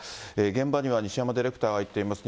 現場には西山ディレクターが行っています。